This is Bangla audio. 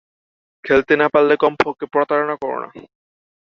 খেলতে না পারলে কমপক্ষে প্রতারণা করো না।